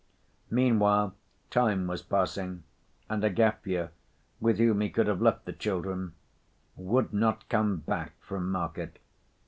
Meanwhile time was passing and Agafya, with whom he could have left the children, would not come back from market.